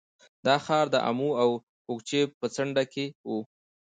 دا ښار د امو او کوکچې په څنډه کې و